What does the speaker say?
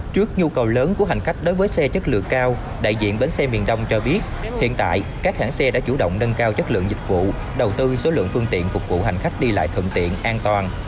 trước nhu cầu lớn của hành khách đối với xe chất lượng cao đại diện bến xe miền đông cho biết hiện tại các hãng xe đã chủ động nâng cao chất lượng dịch vụ đầu tư số lượng phương tiện phục vụ hành khách đi lại thuận tiện an toàn